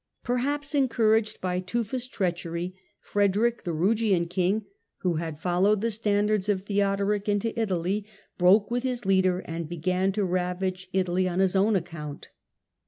Perhaps encouraged by Tufa's treachery, Frederick, the Rugian king, who had followed the 22 THE DAWN OF MEDIEVAL EUROPE standards of Theodoric into Italy, broke with his leader and began to ravage Italy on his own account.